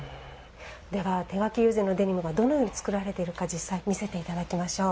では、手描き友禅のデニムがどのように作られているか実際に見せていただきましょう。